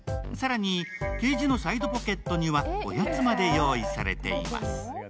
更に、ケージのサイドポケットにはおやつまで用意されています。